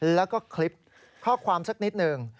แล้วก็คลิปข้อความสักนิดหนึ่ง